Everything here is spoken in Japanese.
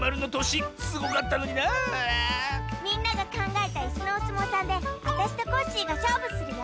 みんながかんがえたイスのおすもうさんであたしとコッシーがしょうぶするよ！